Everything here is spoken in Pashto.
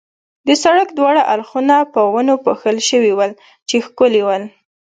د سړک دواړه اړخونه په ونو پوښل شوي ول، چې ښکلي ول.